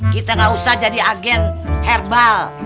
kita nggak usah jadi agen herbal